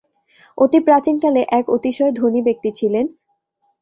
অতি প্রাচীনকালে এক অতিশয় ধনী ব্যক্তি ছিলেন।